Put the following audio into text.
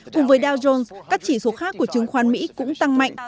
cùng với dow jones các chỉ số khác của chứng khoán mỹ cũng tăng mạnh